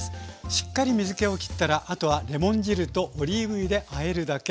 しっかり水けをきったらあとはレモン汁とオリーブ油であえるだけ。